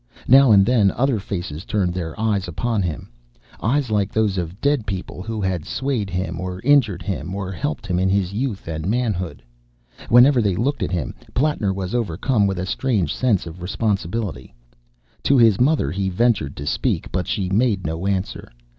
Now and then other faces turned their eyes upon him: eyes like those of dead people who had swayed him, or injured him, or helped him in his youth and manhood. Whenever they looked at him, Plattner was overcome with a strange sense of responsibility. To his mother he ventured to speak; but she made no answer.